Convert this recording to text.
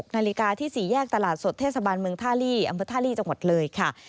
นาฬิกาที่๔แยกตลาดสดเทศบาลเมืองท่าลี่อำเภอท่าลีจังหวัดเลยค่ะ